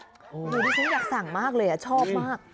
หนูจะจะอยากสั่งมากเลยอ่ะชอบมาก